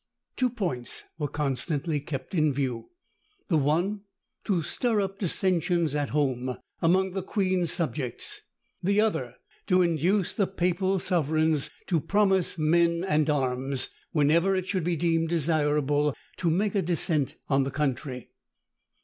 Two points were constantly kept in view: the one to stir up dissensions at home, among the queen's subjects; the other to induce the papal sovereigns to promise men and arms, whenever it should be deemed desirable to make a descent on the country.